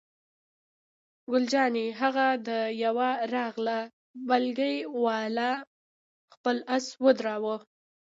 ګل جانې: هغه د یوه راغلل، بګۍ والا خپل آس ودراوه.